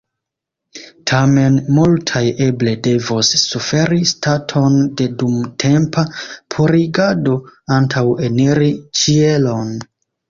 Tamen, multaj eble devos suferi staton de dumtempa purigado antaŭ eniri ĉielon.